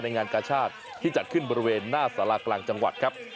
งานกาชาติที่จัดขึ้นบริเวณหน้าสารากลางจังหวัดครับ